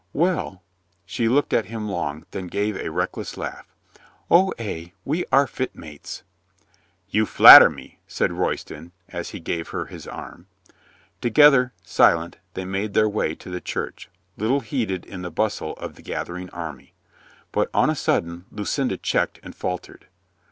"Well." She looked at him long, then gave a reckless laugh. "O, ay, we are fit mates." "You flatter me," said Royston, as he gave her his arm. Together, silent, they made their way to the church, little heeded in the bustle of the gathering army. But, on a sudden, Lucinda checked and faltered.